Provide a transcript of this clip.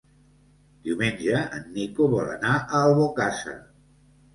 Diumenge en Nico vol anar a Albocàsser.